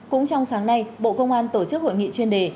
cũng trong sáng nay bộ công an tổ chức hội nghị chuyên đề